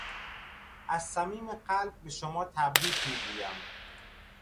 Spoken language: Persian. از صمیم قلب به شما تبریک میگویم.